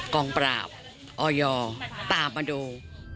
กองปราบอยตามมาดู